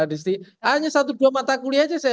di sini hanya satu dua mata kuliah aja saya